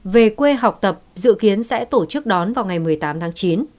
về quê học tập dự kiến sẽ tổ chức đón vào ngày một mươi tám tháng chín